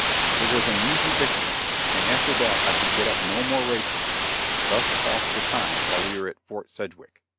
It was an easy victory, and after that I could get up no more races. Thus passed the time while we were at Fort Sedgwick.